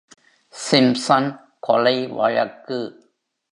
Simpson கொலை வழக்கு.